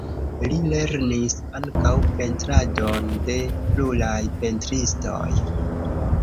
Li lernis ankaŭ pentradon de pluraj pentristoj.